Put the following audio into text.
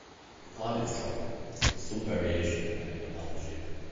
The climate is tropical, with some variation depending on altitude.